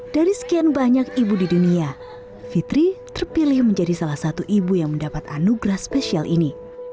dari sekian banyak ibu di dunia fitri terpilih menjadi salah satu ibu yang mendapat anugerah spesial ini